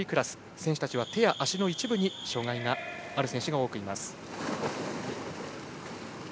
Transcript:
選手たちは手や足の一部に障がいのある選手が多くいます。